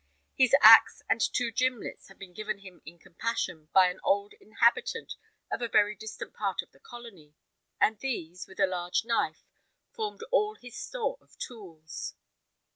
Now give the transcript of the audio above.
His axe and two gimlets had been given him in compassion by an old inhabitant of a very distant part of the colony, and these, with a large knife, formed all his store of tools.